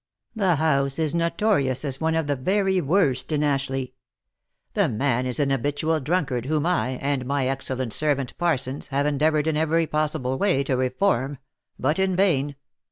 The house is notorious as one of the very worst in Ashleigh. The man is an habitual drunkard, whom I, and my ex cellent servant Parsons, have endeavoured in every possible way to reform — but in vain.